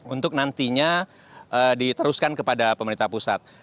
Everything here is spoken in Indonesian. untuk nantinya diteruskan kepada pemerintah pusat